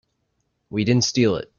We didn't steal it.